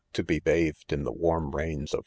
to be bath ed in the warm rains of .